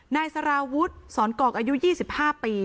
นายสารวุฒิสอนกอกอายุ๒๕ปี